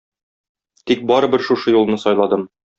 Тик барыбер шушы юлны сайладым.